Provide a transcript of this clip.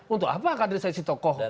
untuk apa kaderisasi tokoh